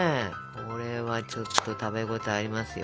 これはちょっと食べ応えありますよ。